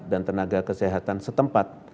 dan tenaga kesehatan setempat